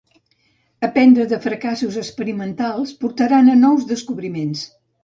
Aprendre de fracassos experimentals portaran a nous descobriments.